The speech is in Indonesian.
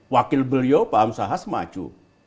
wakil beliau pak amsahas maju